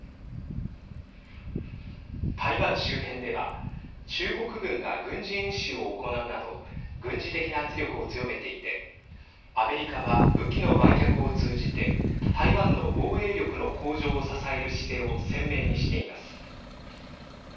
台湾周辺では中国軍が軍事演習を行うなど軍事的な圧力を強めていてアメリカは武器の売却を通じて台湾の防衛力の向上を支える姿勢を鮮明にしています。